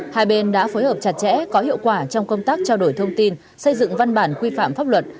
hai bên đã phối hợp chặt chẽ có hiệu quả trong công tác trao đổi thông tin xây dựng văn bản quy phạm pháp luật